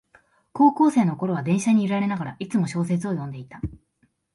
高校生のころは電車に揺られながら、いつも小説を読んでいた